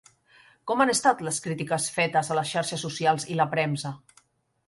Com han estat les crítiques fetes a les xarxes socials i la premsa?